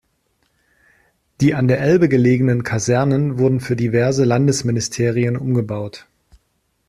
Die an der Elbe gelegenen Kasernen wurden für diverse Landesministerien umgebaut.